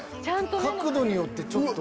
角度によってちょっと。